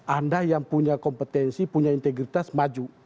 anda yang punya kompetensi punya integritas maju